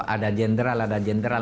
ada jenderal ada jenderal